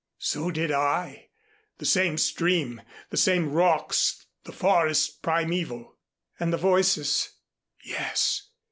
"So did I the same stream, the same rocks, the forest primeval." "And the voices " "Yes.